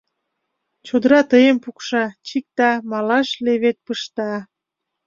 Чодыра тыйым пукша, чикта, малаш левед пышта.